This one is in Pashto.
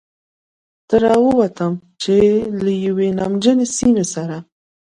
ته را ووتم، چې له یوې نمجنې سیمې سره.